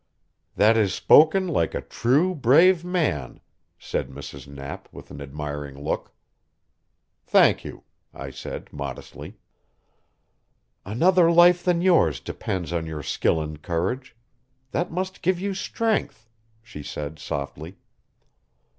"That is spoken like a true, brave man," said Mrs. Knapp with an admiring look. "Thank you," I said modestly. "Another life than yours depends on your skill and courage. That must give you strength," she said softly.